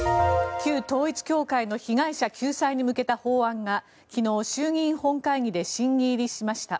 旧統一教会の被害者救済に向けた法案が昨日、衆院本会議で審議入りしました。